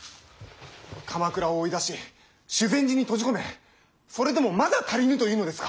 鎌倉を追い出し修善寺に閉じ込めそれでもまだ足りぬというのですか。